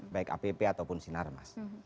baik app ataupun sinarmas